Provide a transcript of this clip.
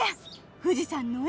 富士山の絵